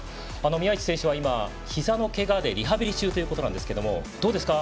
宮市選手はひざのけがでリハビリ中ということでどうですか？